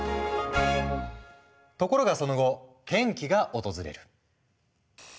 ところがその後転機が訪れる。